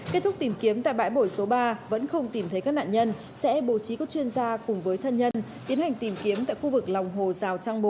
kết thúc tìm kiếm tại bãi bồi số ba vẫn không tìm thấy các nạn nhân sẽ bố trí các chuyên gia cùng với thân nhân tiến hành tìm kiếm tại khu vực lòng hồ rào trang bốn